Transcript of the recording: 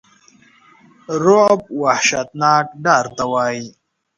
رعب وحشتناک ډار ته وایی.